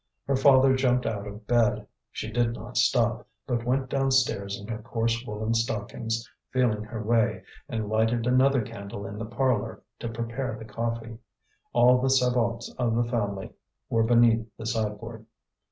Her father jumped out of bed. She did not stop, but went downstairs in her coarse woollen stockings, feeling her way, and lighted another candle in the parlour, to prepare the coffee. All the sabots of the family were beneath the sideboard.